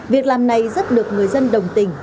việc làm này rất được người dân đồng tình